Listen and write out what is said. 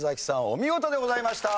お見事でございました。